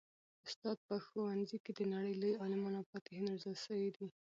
د استاد په ښوونځي کي د نړۍ لوی عالمان او فاتحین روزل سوي دي.